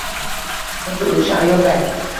xuddi o‘sha ayolday